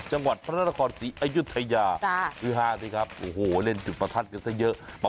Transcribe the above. จังหวัดพระราชกรศรีอายุทยาที่๕นะครับโอ้โหล้เหล่นจึงประทัดกันเซ้าเยอะ